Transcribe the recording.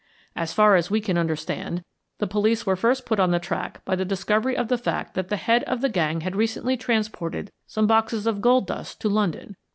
As far as we can understand, the police were first put on the track by the discovery of the fact that the head of the gang had recently transported some boxes of gold dust to London.